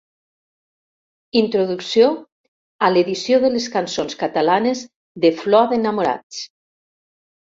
«Introducció» a l'edició de les cançons catalanes de Flor d'enamorats.